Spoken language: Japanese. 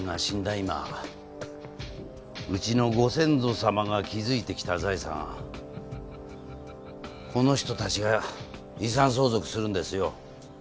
今うちのご先祖様が築いてきた財産この人たちが遺産相続するんですよ。